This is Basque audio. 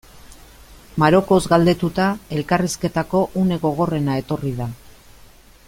Marokoz galdetuta, elkarrizketako une gogorrena etorri da.